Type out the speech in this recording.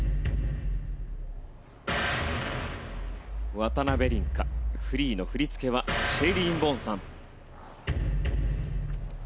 渡辺倫果、フリーの振り付けはシェイリーン・ボーンさん。